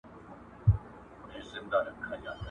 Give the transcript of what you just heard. • مشهور خلک مه لمانځه.